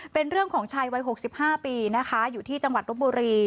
เป็นเรื่องของชายวัย๖๕ปีนะคะอยู่ที่จังหวัดลบบุรี